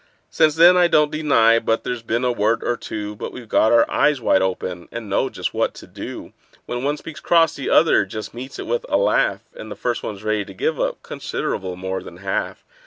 Since then I don't deny but there's been a word or two; But we've got our eyes wide open, and know just what to do: When one speaks cross the other just meets it with a laugh, And the first one's ready to give up considerable more than half.